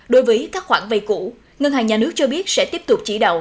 đối với các khoản vay cũ ngân hàng nhà nước cho biết sẽ tiếp tục chỉ đạo